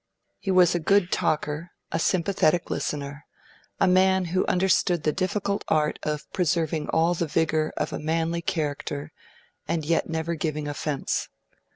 He was a good talker, a sympathetic listener, a man who understood the difficult art of preserving all the vigour of a manly character and yet never giving offence.